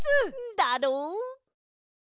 だろ？